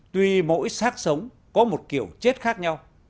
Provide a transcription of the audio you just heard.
tuy mỗi sát sống có một kiểu chết khác nhau